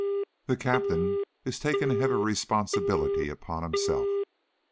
The Captain is taking a heavy responsibility upon himself.